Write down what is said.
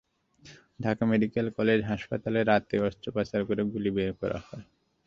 Dhaka medical college হাসপাতালে রাতেই অস্ত্রোপচার করে গুলি বের করা হয়।